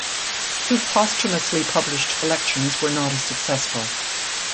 Two posthumously published collections were not as successful.